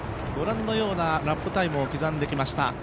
ご覧のようなラップタイムを刻んできました。